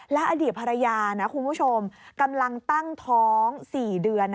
และอดีตภรรยานะคุณผู้ชมกำลังตั้งท้อง๔เดือน